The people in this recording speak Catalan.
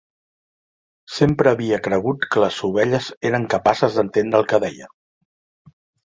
Sempre havia cregut que les ovelles eren capaces d'entendre el que deia.